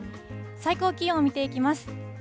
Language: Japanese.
最高気温を見ていきます。